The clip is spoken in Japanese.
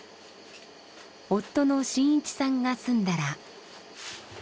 夫の新一さんが済んだら。